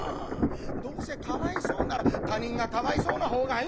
どうせかわいそうなら他人がかわいそうなほうがいいんだよ。